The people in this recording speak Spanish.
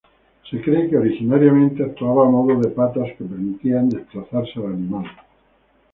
Se cree que originariamente actuaban a modo de patas que permitían desplazarse al animal.